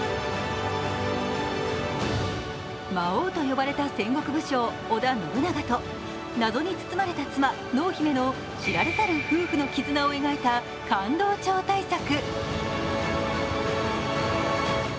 魔王と呼ばれた戦国武将織田信長と謎に包まれた妻・濃姫の知られざる夫婦の絆を描いた感動超大作。